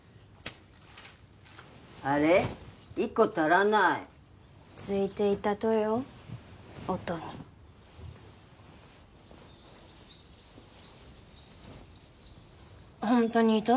あれっ１個足らないついていったとよ音にホントにいいと？